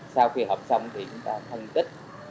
sau khi họp xong thì chúng ta thân tích